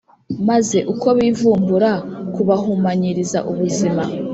maze uko kubivumbura kubahumanyiriza ubuzima.